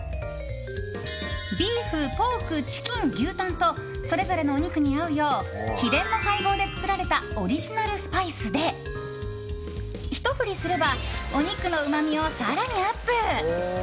ビーフ、ポーク、チキン牛タンとそれぞれのお肉に合うよう秘伝の配合で作られたオリジナルスパイスでひと振りすればお肉のうまみを更にアップ。